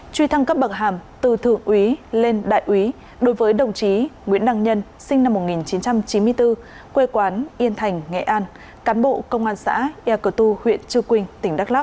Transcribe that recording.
truy thăng cấp bậc hàm từ thượng úy lên đại úy đối với đồng chí nguyễn đăng nhân sinh năm một nghìn chín trăm chín mươi bốn quê quán yên thành nghệ an cán bộ công an xã yakutu huyện trư quynh tỉnh đắk lắk